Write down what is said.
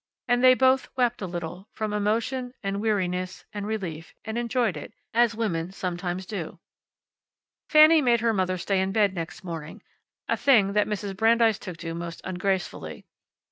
And they both wept a little, from emotion, and weariness, and relief, and enjoyed it, as women sometimes do. Fanny made her mother stay in bed next morning, a thing that Mrs. Brandeis took to most ungracefully.